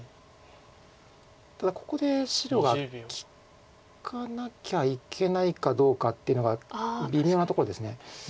ただここで白が利かなきゃいけないかどうかっていうのが微妙なところです。